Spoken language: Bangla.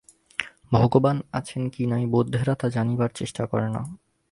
ভগবান আছেন কি নাই, বৌদ্ধেরা তাহা জানিবার চেষ্টা করে না।